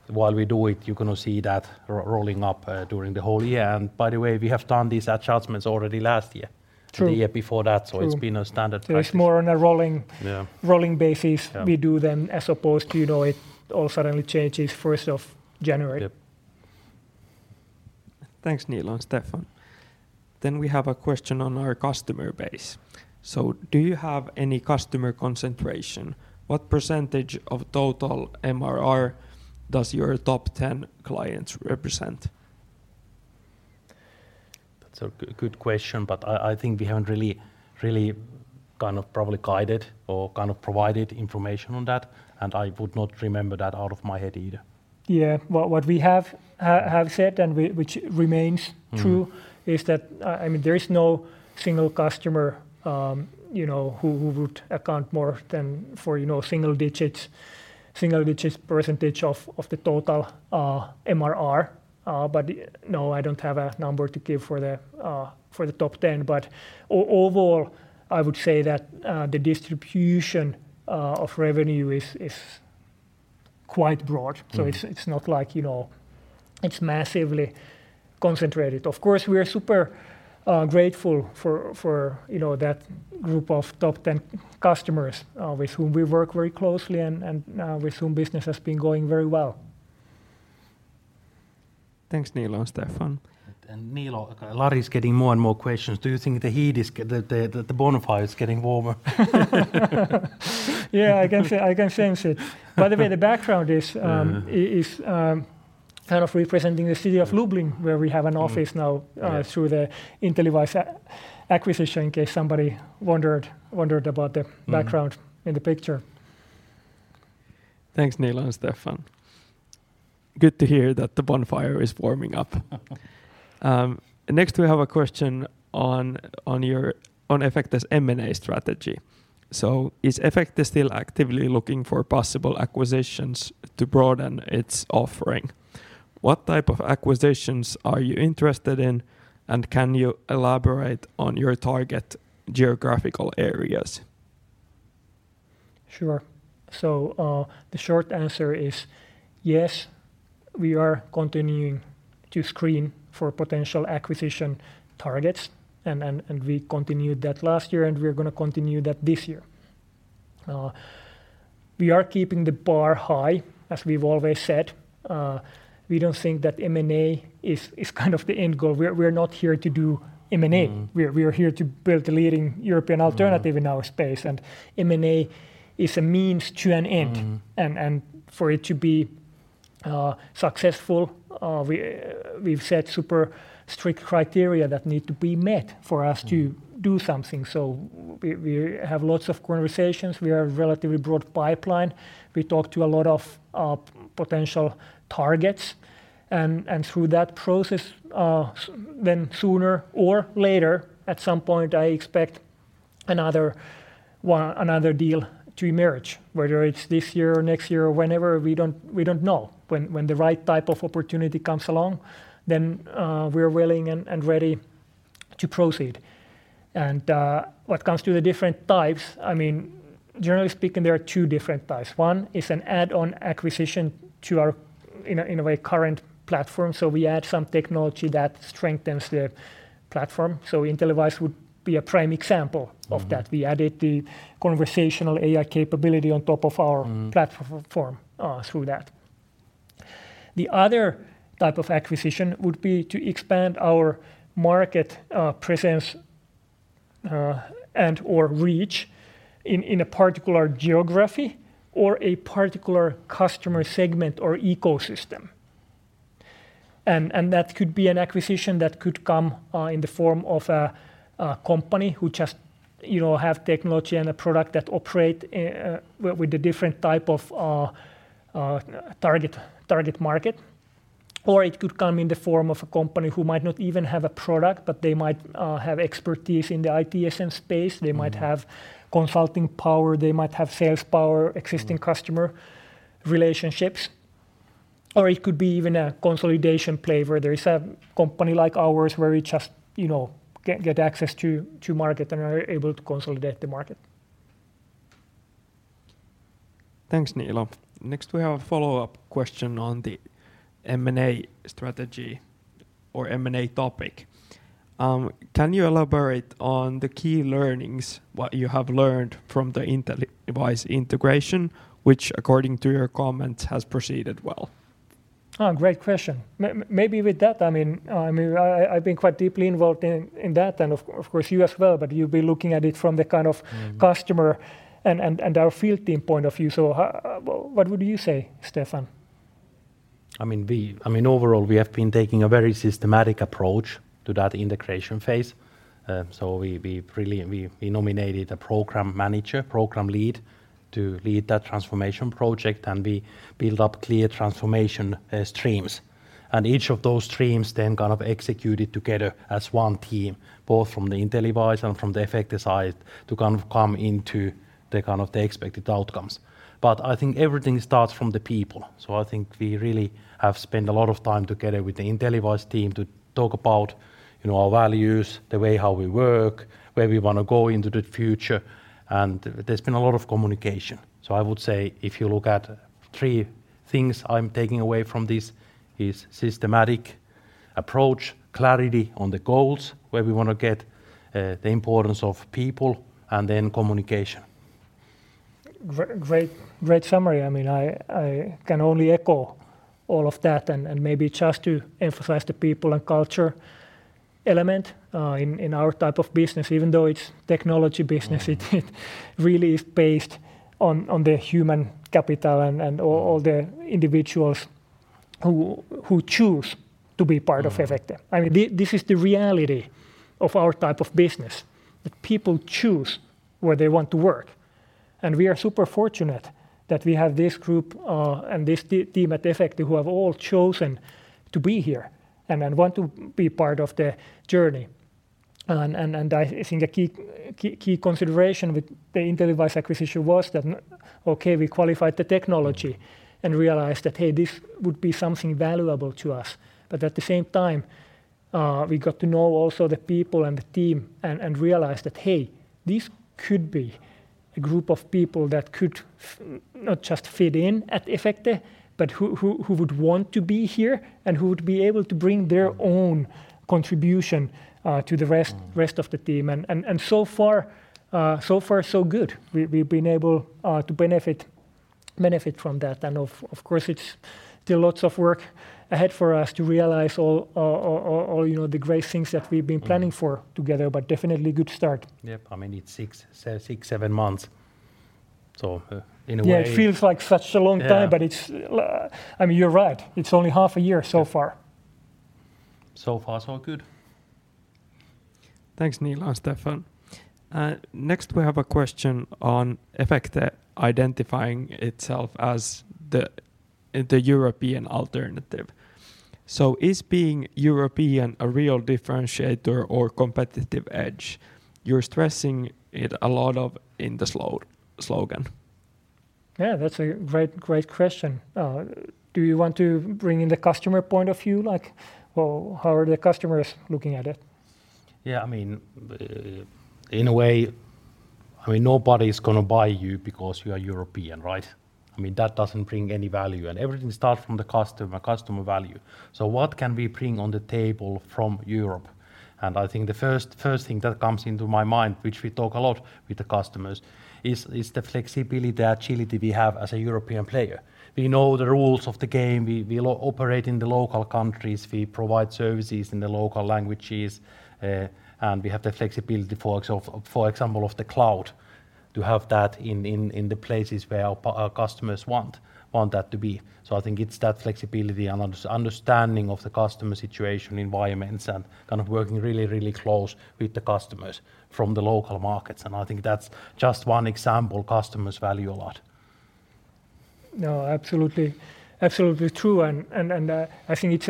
While we do it, you cannot see that rolling up during the whole year. By the way, we have done these adjustments already last year. True The year before that. True It's been a standard practice. it's more on a rolling. Yeah... rolling basis- Yeah... we do them as opposed to, you know, it all suddenly changes first of January. Yep. Thanks, Niilo and Stefan. We have a question on our customer base. Do you have any customer concentration? What percentage of total MRR does your top 10 clients represent? That's a good question, but I think we haven't really kind of probably guided or kind of provided information on that. I would not remember that out of my head either. Yeah. Well, what we have said and which remains true- Mm is that, I mean, there is no single customer, you know, who would account more than for, you know, single digits % of the total MRR. No, I don't have a number to give for the top 10. Overall, I would say that the distribution of revenue is quite broad. Mm. It's not like, you know, it's massively concentrated. Of course, we are super grateful for, you know, that group of top 10 customers, with whom we work very closely and with whom business has been going very well. Thanks, Niilo and Steffan. Niilo, okay, Lari's getting more and more questions. Do you think the heat is the bonfire is getting warmer? Yeah, I can sense it. By the way, the background is kind of representing the city of Lublin, where we have an office now. Yeah... through the InteliWISE acquisition, in case somebody wondered about the background- Mm... in the picture. Thanks, Niilo and Steffan. Good to hear that the bonfire is warming up. Next we have a question on Efecte's M&A strategy. Is Efecte still actively looking for possible acquisitions to broaden its offering? What type of acquisitions are you interested in, and can you elaborate on your target geographical areas? Sure. The short answer is yes, we are continuing to screen for potential acquisition targets. We continued that last year, and we're gonna continue that this year. We are keeping the bar high, as we've always said. We don't think that M&A is kind of the end goal. We're not here to do M&A. Mm. We are here to build the leading European alternative- Mm... in our space, and M&A is a means to an end. Mm. For it to be successful, we've set super strict criteria that need to be met. Mm... do something. We, we have lots of conversations. We have relatively broad pipeline. We talk to a lot of potential targets and through that process, then sooner or later, at some point I expect another one, another deal to emerge. Whether it's this year or next year or whenever, we don't, we don't know. When the right type of opportunity comes along, then we're willing and ready to proceed. When it comes to the different types, I mean, generally speaking, there are two different types. One is an add-on acquisition to our, in a, in a way, current platform, so we add some technology that strengthens the platform. InteliWISE would be a prime example of that. Mm. We added the conversational AI capability on top of our- Mm... platform, through that. The other type of acquisition would be to expand our market, presence, and/or reach in a particular geography or a particular customer segment or ecosystem. And that could be an acquisition that could come in the form of a company who just, you know, have technology and a product that operate with a different type of target market. Or it could come in the form of a company who might not even have a product, but they might have expertise in the ITSM space. Mm. They might have consulting power. They might have sales power- Mm... existing customer relationships. It could be even a consolidation play where there is a company like ours where we just, you know, get access to market and are able to consolidate the market. Thanks, Niilo. We have a follow-up question on the M&A strategy or M&A topic. Can you elaborate on the key learnings, what you have learned from the InteliWISE integration, which according to your comments has proceeded well? Oh, great question. Maybe with that, I mean, I've been quite deeply involved in that, and of course you as well, but you've been looking at it from the kind of- Mm customer and our field team point of view. How, what would you say, Stefan? Overall, we have been taking a very systematic approach to that integration phase. We've really nominated a program manager, program lead to lead that transformation project, and we build up clear transformation streams. Each of those streams then kind of executed together as one team, both from the InteliWISE and from the Efecte side, to kind of come into the expected outcomes. I think everything starts from the people. I think we really have spent a lot of time together with the InteliWISE team to talk about, you know, our values, the way how we work, where we wanna go into the future, and there's been a lot of communication. I would say if you look at three things I'm taking away from this is systematic approach, clarity on the goals, where we wanna get, the importance of people, and then communication. Great summary. I mean, I can only echo all of that and maybe just to emphasize the people and culture element in our type of business. Even though it's technology business. Mm.... it really is based on the human capital and. Mm... all the individuals who choose to be part of Efecte. Mm. I mean, this is the reality of our type of business, that people choose where they want to work. We are super fortunate that we have this group, and this team at Efecte who have all chosen to be here and then want to be part of the journey. I think a key consideration with the InteliWISE acquisition was that, okay, we qualified the technology- Mm... and realized that, hey, this would be something valuable to us. At the same time, we got to know also the people and the team and realize that, hey, this could be a group of people that could not just fit in at Efecte, but who would want to be here, and who would be able to bring their own contribution to the rest. Mm... rest of the team. So far, so good. We've been able to benefit from that. Of course, it's still lots of work ahead for us to realize all, you know, the great things that we've been planning for together. Mm. Definitely a good start. Yep. I mean, it's six, seven months. in a way- Yeah, it feels like such a long time. Yeah. It's, I mean, you're right. It's only half a year so far. Yep. So far, so good. Thanks, Niilo and Stefan. Next we have a question on Efecte identifying itself as the European alternative. Is being European a real differentiator or competitive edge? You're stressing it a lot of in the slogan. Yeah, that's a great question. Do you want to bring in the customer point of view? Like, well, how are the customers looking at it? Yeah, I mean, in a way, I mean, nobody's gonna buy you because you are European, right? I mean, that doesn't bring any value, and everything start from the customer value. What can we bring on the table from Europe? I think the first thing that comes into my mind, which we talk a lot with the customers, is the flexibility, agility we have as a European player. We know the rules of the game. We operate in the local countries. We provide services in the local languages. We have the flexibility of, for example, of the cloud to have that in the places where our customers want that to be. I think it's that flexibility and understanding of the customer situation, environments, and kind of working really close with the customers from the local markets, and I think that's just one example customers value a lot. No, absolutely true. I think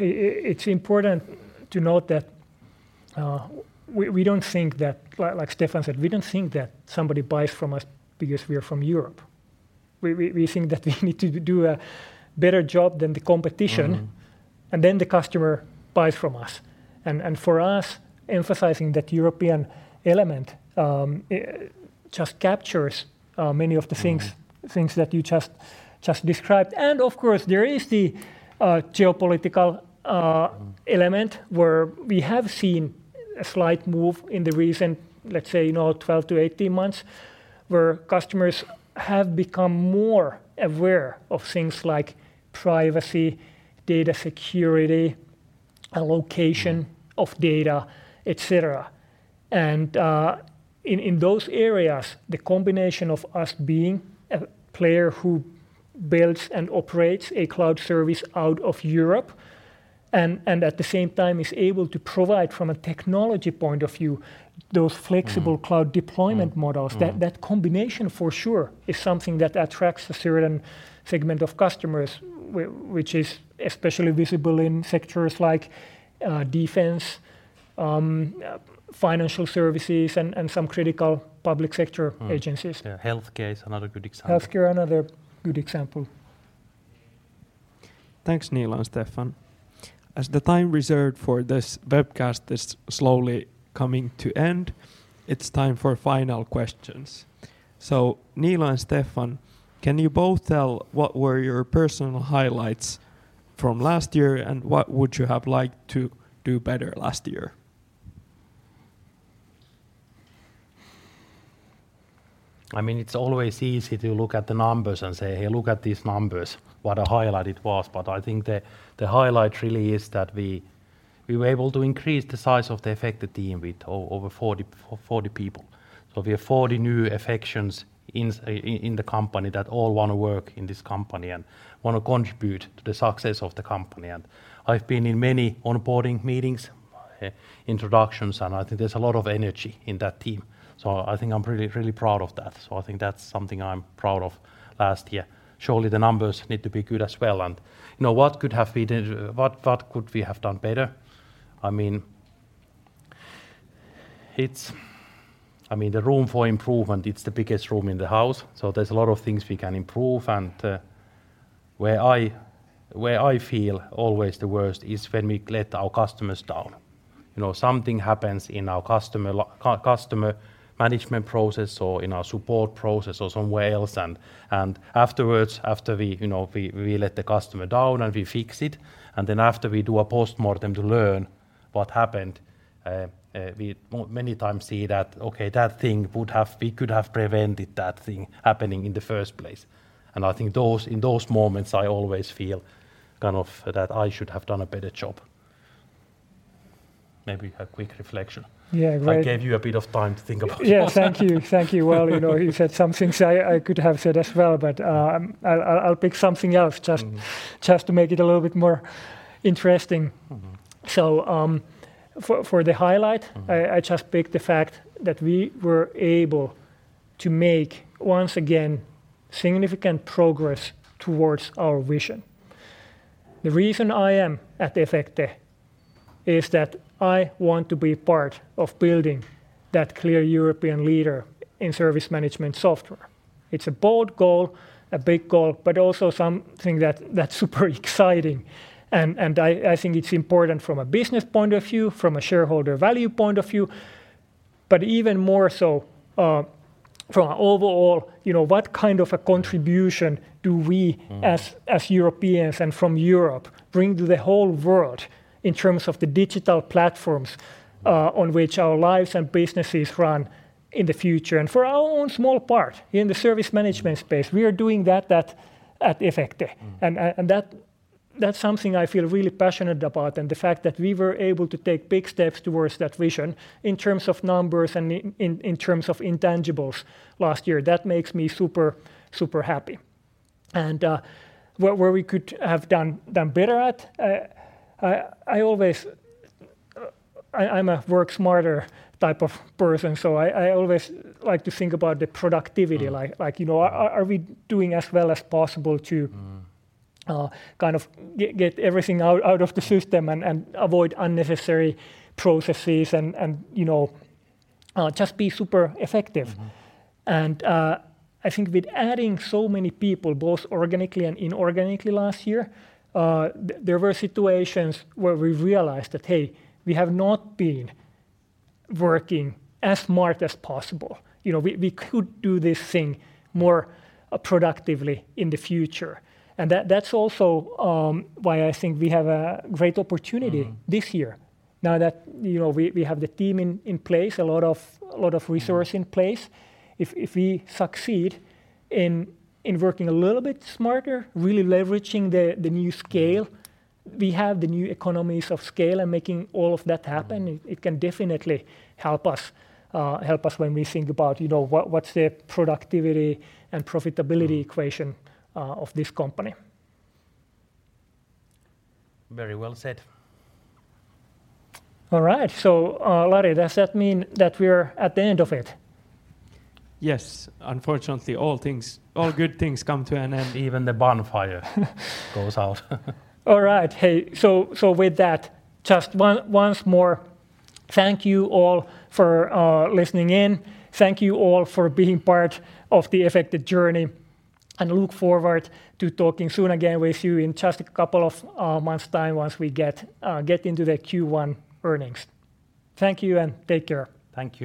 it's important to note that we don't think that, like Steffan said, we don't think that somebody buys from us because we are from Europe. We think that we need to do a better job than the competition. Mm-hmm. The customer buys from us. For us, emphasizing that European element just captures many of the things. Mm... things that you just described. Of course, there is the geopolitical element where we have seen a slight move in the recent, let's say, you know, 12-18 months, where customers have become more aware of things like privacy, data security, location of data. Mm... et cetera. In those areas, the combination of us being a player who builds and operates a cloud service out of Europe and at the same time is able to provide from a technology point of view those flexible- Mm cloud deployment models. Mm. Mm. That combination for sure is something that attracts a certain segment of customers which is especially visible in sectors like defense, financial services, and some critical public sector agencies. Yeah, healthcare is another good example. Healthcare, another good example. Thanks, Niilo and Steffan. As the time reserved for this webcast is slowly coming to end, it's time for final questions. Niilo and Steffan, can you both tell what were your personal highlights from last year, and what would you have liked to do better last year? I mean, it's always easy to look at the numbers and say, "Hey, look at these numbers, what a highlight it was." I think the highlight really is that we were able to increase the size of the Efecte team with over 40 people. We have 40 new Efectians in the company that all wanna work in this company and wanna contribute to the success of the company. I've been in many onboarding meetings, introductions, and I think there's a lot of energy in that team. I think I'm really proud of that. I think that's something I'm proud of last year. Surely, the numbers need to be good as well, and, you know, what could have we did, what could we have done better? I mean, it's the biggest room in the house. There's a lot of things we can improve. Where I feel always the worst is when we let our customers down. You know, something happens in our customer management process or in our support process or somewhere else and afterwards, after we, you know, we let the customer down, and we fix it, then after we do a postmortem to learn what happened, we many times see that, okay, we could have prevented that thing happening in the first place. I think in those moments, I always feel kind of that I should have done a better job. Maybe a quick reflection. Yeah, great. I gave you a bit of time to think about it. Yeah. Thank you. Thank you. Well, you know, you said some things I could have said as well. I'll pick something else. Mm Just to make it a little bit more interesting. Mm-hmm. So, um, for, for the highlight- Mm... I just pick the fact that we were able to make, once again, significant progress towards our vision. The reason I am at Efecte is that I want to be part of building that clear European leader in service management software. It's a bold goal, a big goal, but also something that's super exciting. I think it's important from a business point of view, from a shareholder value point of view, but even more so, from an overall, you know, what kind of a contribution do we. Mm... as Europeans and from Europe bring to the whole world in terms of the digital platforms on which our lives and businesses run in the future. For our own small part in the service management space, we are doing that at Efecte. Mm. That, that's something I feel really passionate about, and the fact that we were able to take big steps towards that vision in terms of numbers and in terms of intangibles last year, that makes me super happy. Where we could have done better at, I always, I'm a work smarter type of person, so I always like to think about the productivity. Mm. Like, you know, are we doing as well as possible? Mm... kind of get everything out of the system and avoid unnecessary processes and, you know, just be super effective. Mm. I think with adding so many people, both organically and inorganically last year, there were situations where we realized that, hey, we have not been working as smart as possible. You know, we could do this thing more productively in the future. That's also why I think we have a great opportunity. Mm... this year now that, you know, we have the team in place, a lot of resource- Mm... in place. If we succeed in working a little bit smarter, really leveraging the new scale, we have the new economies of scale and making all of that happen. Mm. It can definitely help us, help us when we think about, you know, what's the productivity and profitability... Mm... equation, of this company. Very well said. All right. Larry, does that mean that we're at the end of it? Yes. Unfortunately, all things, all good things come to an end. Even the bonfire-... goes out. All right. Hey, so with that, just once more, thank you all for listening in. Thank you all for being part of the Efecte journey, and look forward to talking soon again with you in just a couple of months' time once we get into the Q1 earnings. Thank you, and take care. Thank you.